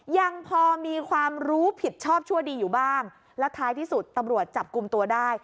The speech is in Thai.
ยังพอมีความรู้ผิดชอบชั่วดีอยู่บ้างแล้วท้ายที่สุดตำรวจจับกลุ่มตัวได้